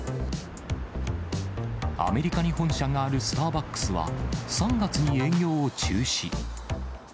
アメリカに本社があるスターバックスは、３月に営業を中止。